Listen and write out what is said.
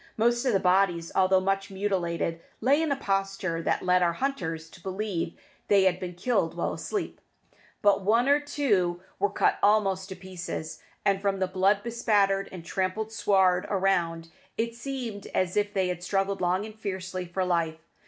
Most of the bodies, although much mutilated, lay in a posture that led our hunters to believe they had been killed while asleep; but one or two were cut almost to pieces, and from the blood bespattered and trampled sward around, it seemed as if they had struggled long and fiercely for life.